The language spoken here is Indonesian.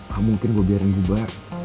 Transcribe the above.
gak mungkin gue biarin buba